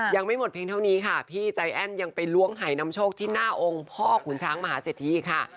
ยังไม่หมดเพียงเท่านี้ค่ะพี่ใจแอ้นยังไปล้วงหายนำโชคที่หน้าองค์พ่อขุนช้างมหาเศรษฐีค่ะ